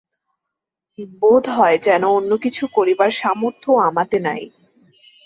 বোধ হয় যেন অন্য কিছু করিবার সামর্থ্যও আমাতে নাই।